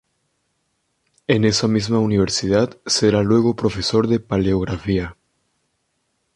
En esa misma universidad será luego profesor de Paleografía.